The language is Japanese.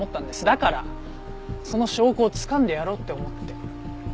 だからその証拠をつかんでやろうって思って。